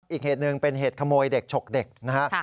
อีกเหตุหนึ่งเป็นเหตุขโมยเด็กฉกเด็กนะฮะ